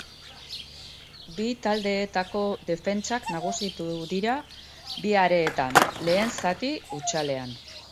Bi taldeetako defentsak nagusitu dira bi areetan, lehen zati hutsalean.